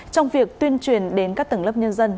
trong việc tuyên truyền đến các tầng lớp nhân dân